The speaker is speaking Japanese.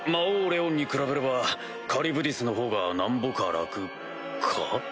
レオンに比べればカリュブディスのほうがなんぼか楽か？